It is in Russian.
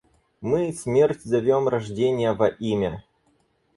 Мы смерть зовем рожденья во имя.